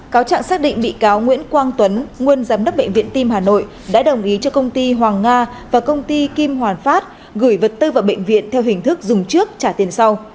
cáo trạng xác định bị cáo nguyễn quang tuấn nguyên giám đốc bệnh viện tim hà nội đã đồng ý cho công ty hoàng nga và công ty kim hoàn phát gửi vật tư vào bệnh viện theo hình thức dùng trước trả tiền sau